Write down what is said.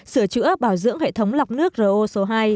sửa chữa bảo dưỡng hệ thống lọc nước ro số hai